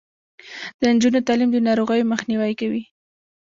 د نجونو تعلیم د ناروغیو مخنیوی کوي.